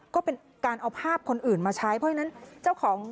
ก็เป็นการเอาภาพคนอื่นมาใช้เพราะฉะนั้นเจ้าของ